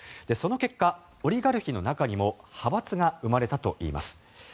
その結果、オリガルヒの中にも派閥が生まれたといいます。